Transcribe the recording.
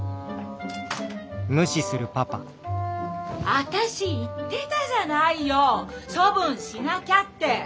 私言ってたじゃないよ処分しなきゃって。